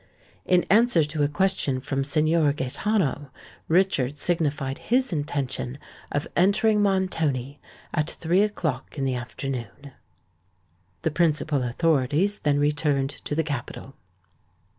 In answer to a question from Signor Gaëtano, Richard signified his intention of entering Montoni at three o'clock in the afternoon. The principal authorities then returned to the capital.